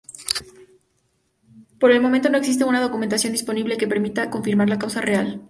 Por el momento no existe una documentación disponible que permita confirmar la causa real.